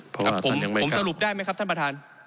เพราะว่าท่านยังไม่กลับผมสรุปได้ไหมครับท่านประธาน